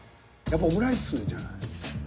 やっぱオムライスじゃない？